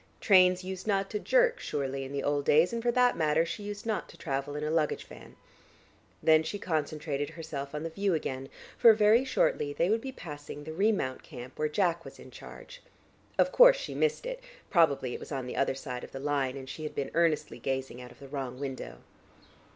Trains used not to jerk, surely, in the old days, and for that matter she used not to travel in a luggage van. Then she concentrated herself on the view again, for very shortly they would be passing the remount camp where Jack was in charge. Of course she missed it; probably it was on the other side of the line, and she had been earnestly gazing out of the wrong window.